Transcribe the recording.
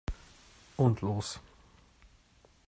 Und los!